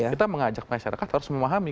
kita mengajak masyarakat harus memahami